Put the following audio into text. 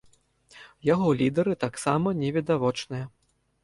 Яго лідары таксама невідавочныя.